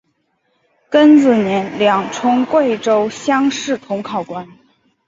庚子年两充贵州乡试同考官。